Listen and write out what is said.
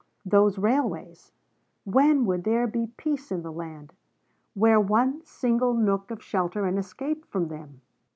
Those railways! When would there be peace in the land? Where one single nook of shelter and escape from them!